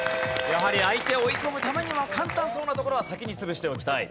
やはり相手を追い込むためには簡単そうなところは先に潰しておきたい。